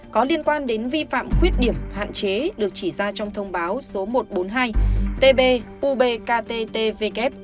có liên quan đến vi phạm khuyết điểm hạn chế được chỉ ra trong thông báo số một trăm bốn mươi hai tbubkttvk